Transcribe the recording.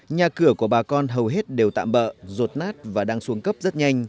nhà cửa của bà con hầu hết đều tạm bỡ rột nát và đang xuống cấp rất nhanh